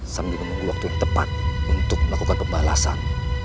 sambil menunggu waktu yang tepat untuk melakukan pembalasan